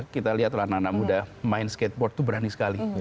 kita lihatlah anak anak muda main skateboard itu berani sekali